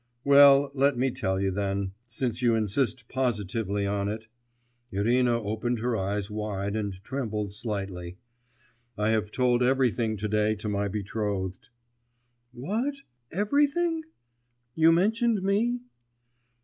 'Well, let me tell you then ... since you insist positively on it' (Irina opened her eyes wide and trembled slightly), 'I have told everything to day to my betrothed.' 'What, everything? You mentioned me?